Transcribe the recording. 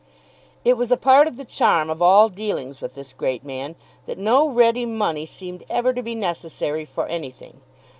It was a part of the charm of all dealings with this great man that no ready money seemed ever to be necessary for anything.